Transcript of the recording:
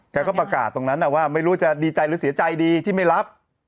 แกก็ประกาศตรงนั้นว่าไม่รู้จะดีใจหรือเสียใจดีที่ไม่รับ